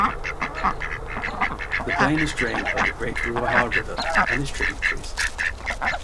The plain is drained by the Great Ruaha River and its tributaries.